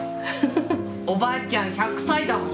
おばあちゃん１００歳だもん。